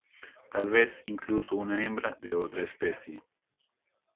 Tal vez incluso una hembra de otra especie.